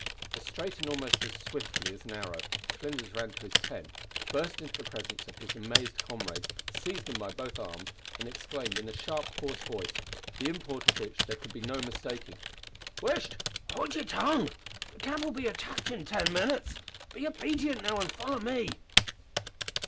As straight, and almost as swiftly, as an arrow, Flinders ran to his tent, burst into the presence of his amazed comrade, seized him by both arms, and exclaimed in a sharp hoarse voice, the import of which there could be no mistaking "Whisht! howld yer tongue! The camp'll be attacked in ten minutes! Be obadient now, an' foller me."